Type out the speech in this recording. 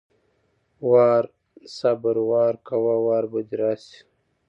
وار=صبر، وار کوه وار به دې راشي!